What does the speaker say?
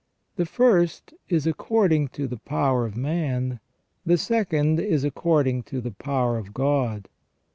The first is according to the power of man; the second is according to the power of God.